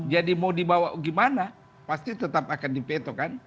tapi kalau mau dibawa bagaimana pasti tetap akan dipeto kan